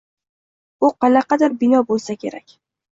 Bu qanaqadir bino boʻlsa kerak.